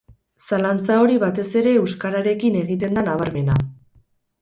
Zalantza hori batez ere euskararekin egiten da nabarmena.